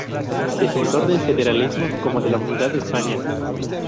Defensor del federalismo como de la unidad de España.